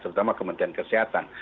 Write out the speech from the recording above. terutama kementerian kesehatan